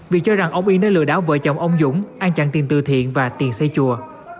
vì cho rằng ông yên đã lừa đảo vợ chồng ông dũng an chặn tiền tư thiện và tiền xây chùa